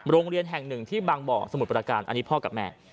โรงเรียนแห่งหนึ่งที่บางบ่อสมุทรประการอันนี้พ่อกับแม่